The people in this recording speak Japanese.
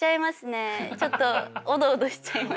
ちょっとおどおどしちゃいます。